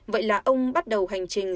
vậy là ông bắt đầu hành trình